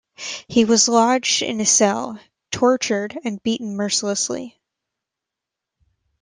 He was lodged in a cell, tortured and beaten mercilessly.